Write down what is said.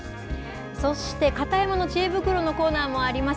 そして片山のちえ袋のコーナーもあります。